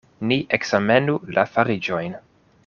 Ni ekzamenu la fariĝojn.